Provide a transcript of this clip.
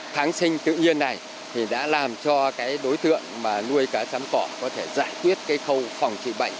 tháng sinh tự nhiên này đã làm cho đối tượng nuôi cá chấm cỏ có thể giải quyết khâu phòng trị bệnh